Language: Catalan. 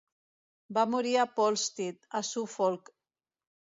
Va morir a Polstead, a Suffolk.